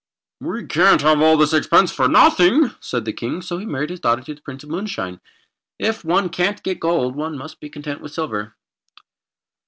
"We can't have all this expense for nothing," said the King: so he married his daughter to the Prince of Moonshine. If one can't get gold one must be content with silver.